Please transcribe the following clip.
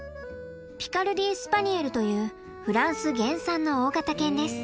ピカルディー・スパニエルというフランス原産の大型犬です。